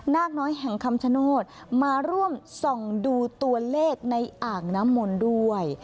นากน้อยแห่งคำชโนธมาร่วมส่องดูตัวเลขในอ่างน้ำมนต์ด้วย